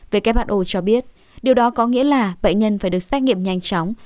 who cho biết điều đó có nghĩa là bệnh nhân phải được xét nghiệm nhanh chóng